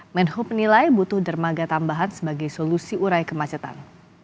menhub menilai butuh dermaga tambahan sebagai solusi urai kemacetan